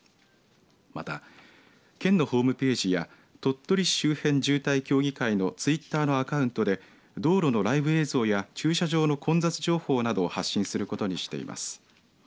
また、県のホームページや鳥取市周辺渋滞協議会のツイッターのアカウントで道路のライブ映像や駐車場の混雑情報などを発信することにしています。